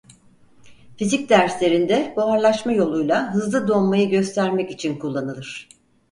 Fizik derslerinde buharlaşma yoluyla hızlı donmayı göstermek için kullanılır.